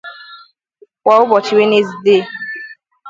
kwa ụbọchị Wenezdee